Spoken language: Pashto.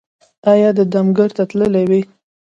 ایا د دم ګر ته تللي وئ؟